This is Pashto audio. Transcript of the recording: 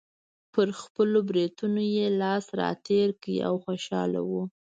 پر خپلو برېتونو یې لاس راتېر کړ او خوشحاله و.